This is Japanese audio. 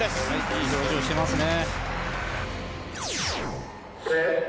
いい表情していますね。